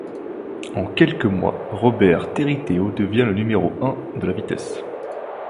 En quelques mois, Robert Teriitehau devient le numéro un de la vitesse.